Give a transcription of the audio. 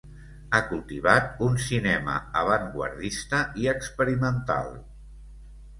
Ha cultivat un cinema avantguardista i experimental.